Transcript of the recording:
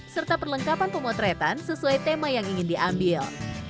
serta perlengkapan pemotretan sesuai tema yang ingin diambil